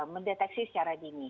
mendeteksi secara dingin